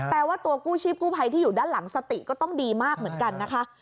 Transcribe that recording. แปลว่าตัวกู้ชีพกู้ภัยที่อยู่ด้านหลังสติก็ต้องดีมากเหมือนกันนะคะ